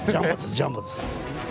ジャンボです。